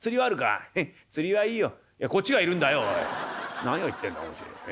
何を言ってんだ面白え。